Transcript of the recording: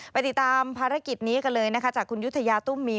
ไปติดตามภารกิจนี้กันเลยนะคะจากคุณยุธยาตุ้มมี